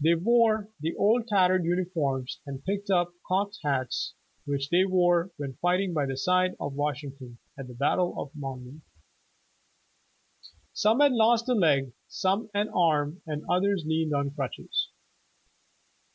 They wore the old tattered uniforms and pinched up cocked hats, which they wore when fighting by the side of Washing ton, at the battle of Monmouth. Some had lost a leg, some an arm, and others leaned on crutches.